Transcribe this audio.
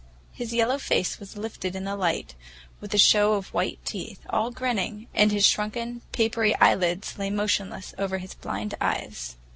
His yellow face was lifted in the light, with a show of white teeth, all grinning, and his shrunken, papery eyelids lay motionless over his blind eyes.